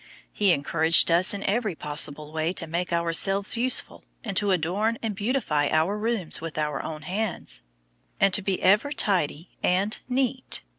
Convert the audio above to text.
He encouraged us in every possible way to make ourselves useful, and to adorn and beautify our rooms with our own hands, and to be ever tidy and neat.